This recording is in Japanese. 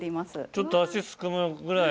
ちょっと足すくむぐらい。